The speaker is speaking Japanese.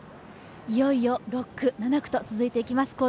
いよいよ６区、７区と続いていきます。